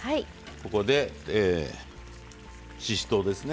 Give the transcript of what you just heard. ここでししとうですね。